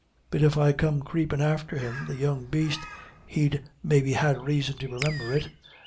But if I come creepin' after him, the young baste, he'd maybe ha' ráison to remimber it....